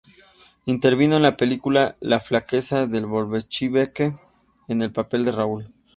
Intervino en la película "La flaqueza del bolchevique", en el papel de Raúl.